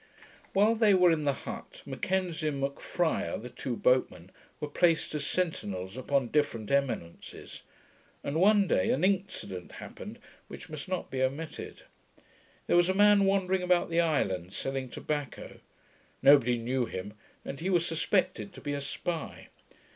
While they were in the hut, M'Kenzie and M'Friar, the two boatmen, were placed as sentinels upon different eminences; and one day an incident happened, which must not be omitted. There was a man wandering about the island, selling tobacco. Nobody knew him, and he was suspected to be a spy.